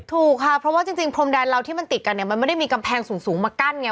ถูกค่ะเพราะว่าจริงพรมแดนเราที่มันติดกันเนี่ยมันไม่ได้มีกำแพงสูงมากั้นไง